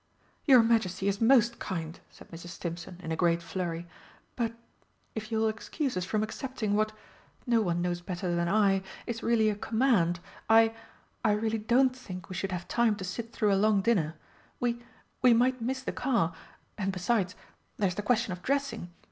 "Your Majesty is most kind," said Mrs. Stimpson in a great flurry, "but, if you will excuse us from accepting what no one knows better than I is really a command, I I really don't think we should have time to sit through a long dinner. We we might miss the car and besides, there's the question of dressing.